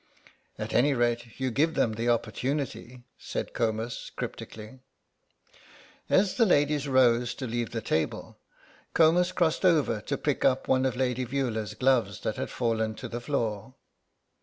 "At any rate you give them the opportunity," said Comus, cryptically. As the ladies rose to leave the table Comus crossed over to pick up one of Lady Veula's gloves that had fallen to the floor.